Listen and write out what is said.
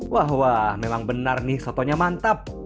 wah wah memang benar nih sotonya mantap